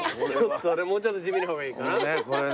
俺もうちょっと地味な方がいいかな。